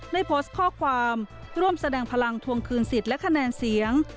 ได้โพสต์ข้อความร่วมแสดงพลังทวงคืนสิทธิ์และคะแนนเสียง